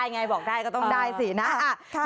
ไงบอกได้ก็ต้องได้สินะ